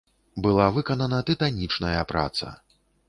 Была выканана тытанічная праца.